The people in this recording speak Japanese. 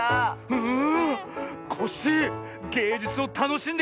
うん！